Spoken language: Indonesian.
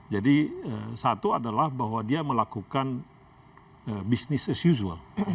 jadi satu adalah bahwa dia melakukan bisnis as usual